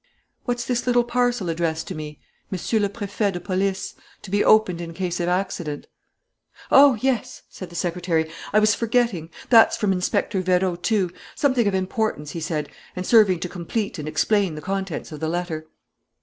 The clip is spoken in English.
"What's this little parcel addressed to me? 'Monsieur le Préfet de Police to be opened in case of accident.'" "Oh, yes," said the secretary, "I was forgetting! That's from Inspector Vérot, too; something of importance, he said, and serving to complete and explain the contents of the letter."